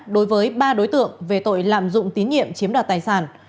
đối với ba đối tượng về tội lạm dụng tín nhiệm chiếm đoạt tài sản